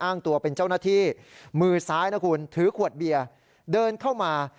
อ้างตัวเป็นเจ้าหน้าที่มือซ้ายนะคุณถือขวดเบียร์เดินเข้ามา